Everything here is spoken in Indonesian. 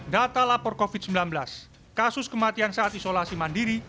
data lapor covid sembilan belas kasus kematian saat isolasi mandiri